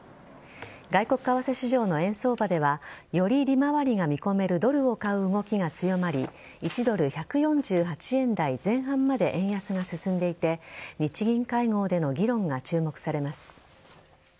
外国為替市場の円相場ではより利回りが見込めるドルを買う動きが強まり１ドル１４８円台前半まで円安が進んでいて日銀会合での議論が注目されます。